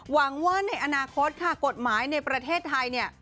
หวังว่าในอนาคตค่ะกฎหมายในประเทศไทยเนี่ย